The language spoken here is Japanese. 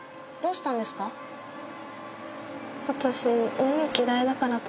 どうしたんですか？